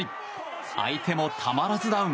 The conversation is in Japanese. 相手もたまらずダウン。